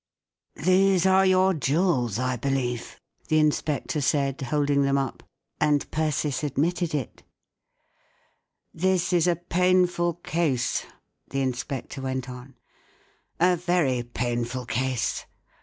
"These are your jewels, I believe," the inspector said, holding them up; and Persis admitted it* w This is a painful case," the inspector went on, " A very painful case.